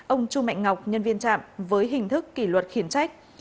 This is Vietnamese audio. ông chu mạnh ngọc nhân viên trạm với hình thức kỷ luật khiển trách